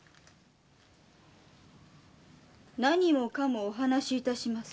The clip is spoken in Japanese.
「何もかもお話しいたします。